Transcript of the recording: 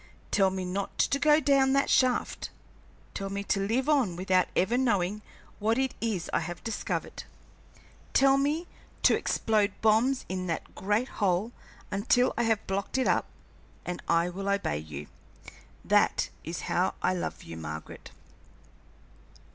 Tell me not to go down that shaft, tell me to live on without ever knowing what it is I have discovered, tell me to explode bombs in that great hole until I have blocked it up, and I will obey you. That is how I love you, Margaret."